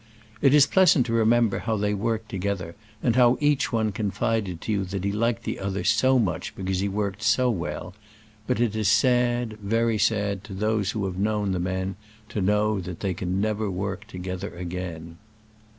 It is pleasant to remember how they worked together, and how each one confided to you that he liked the other so much be cause he worked so well ; but it is sad, very sad, to those who have known the men, to know that they can never work together again.